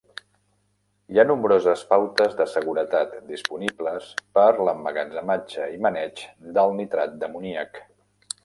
Hi ha nombroses pautes de seguretat disponibles per l'emmagatzematge i maneig del nitrat d'amoníac.